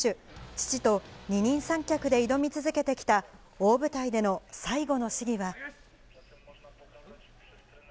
父と二人三脚で挑み続けてきた大舞台での最後の試技は。